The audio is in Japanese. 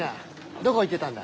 どこ行ってたんだ？